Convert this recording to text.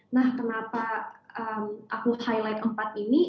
nah kenapa aku highlight empat ini